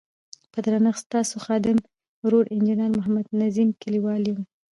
په درنښت ستاسو خادم ورور انجنیر محمد نظیم کلیوال یم.